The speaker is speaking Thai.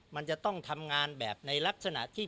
มันจะต้องทำงานแบบในลักษณะที่